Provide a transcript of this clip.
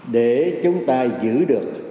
để chúng ta giữ được